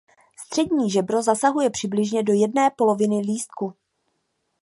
Střední žebro zasahuje přibližně do jedné poloviny lístku.